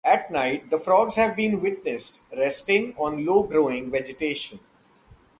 At night the frogs have been witnessed resting on low growing vegetation.